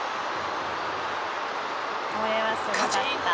「これはすごかった」